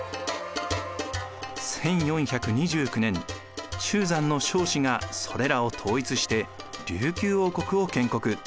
１４２９年中山の尚氏がそれらを統一して琉球王国を建国。